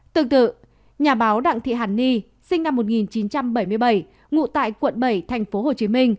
tương tự nhà báo đặng thị hàn ni sinh năm một nghìn chín trăm bảy mươi bảy ngụ tại quận bảy tp hcm